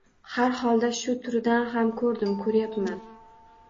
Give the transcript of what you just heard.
Har holda shu turidan ham ko‘rdim, ko‘ryapman.